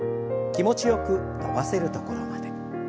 気持ちよく伸ばせるところまで。